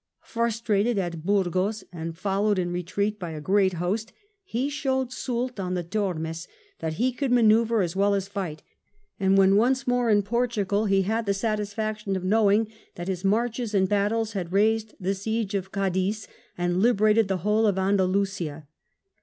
Fnistrated at Bmgoa, and followed in retreat bjr a great boet^ be sbowed Soak on tbe Tormee ibat be could manennrre aa wdl as fig^t; and, when onee more in Portugal, be bad tbe satisfaction of knowing tbat bis marcbes and battles bad raised the siege of Cadiz and liberated ibe wbole of Andalnsia.